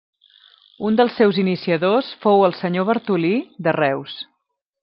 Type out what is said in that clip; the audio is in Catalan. Un dels seus iniciadors fou el senyor Bartolí, de Reus.